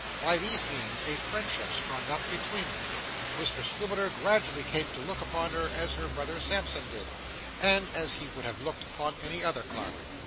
By these means a friendship sprung up between them. Mr Swiveller gradually came to look upon her as her brother Sampson did, and as he would have looked upon any other clerk.